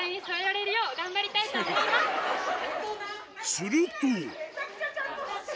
すると